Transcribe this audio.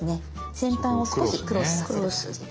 先端を少しクロスさせる感じ。